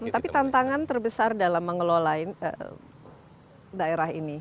tapi tantangan terbesar dalam mengelola daerah ini